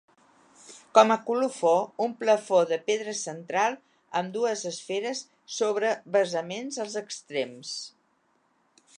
Com a colofó, un plafó de pedra central amb dues esferes sobre basaments als extrems.